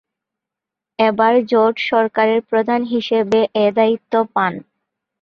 এবার জোট সরকারের প্রধান হিসেবে এ দায়িত্ব পান।